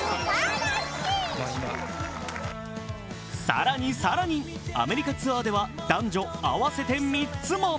更に更に、アメリカツアーでは男女合わせて３つも。